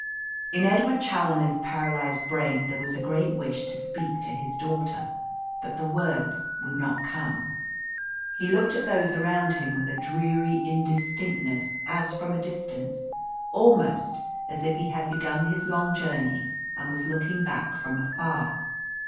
In Edward Challoner's paralysed brain there was a great wish to speak to his daughter, but the words would not come. He looked at those around him with a dreary indistinctness as from a distance, almost as if he had begun his long journey and was looking back from afar.